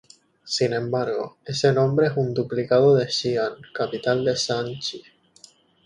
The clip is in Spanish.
Sin embargo, ese nombre es un duplicado de Xi'an, capital de Shaanxi.